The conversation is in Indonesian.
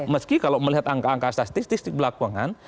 meski kalau melihat angka angka statistik statistik berlakuan kan